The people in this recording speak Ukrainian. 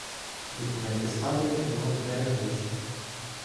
Документи з фабрики в нього збереглися.